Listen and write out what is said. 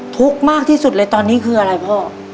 ทุกข์มากที่สุดเลยตอนนี้คืออะไรพ่อ